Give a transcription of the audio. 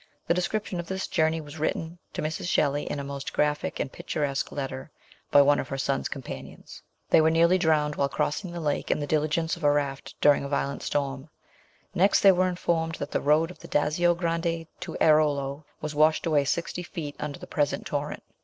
The description of this journey was written to Mrs. Shelley ITALY REVISITED. 219 in a most graphic and picturesque letter by one of her son's companions. They were nearly drowned while Crossing the lake in the diligence on a raft, during a violent storm. Next they were informed that the road of the Dazio Grande to Airolo was washed away sixty feet under the present torrent.